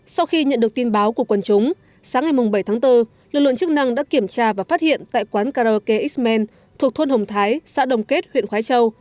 sau khi nhận được tin báo của quân chúng sáng ngày bảy tháng bốn lực lượng chức năng đã kiểm tra và phát hiện tại quán karaoke x man thuộc thôn hồng thái xã đồng kết huyện khói châu